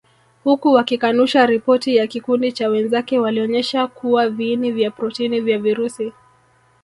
Huku wakikanusha ripoti ya kikundi cha wenzake walionyesha kuwa viini vya protini vya virusi